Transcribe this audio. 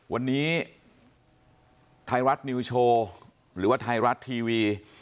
วันนี้ไทยรัฐนิวโชว์หรือว่าไทยรัฐทีวี